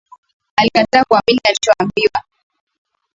Alikataa kuamini alichoambiwa